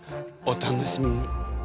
お楽しみに。